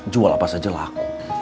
jual apa saja laku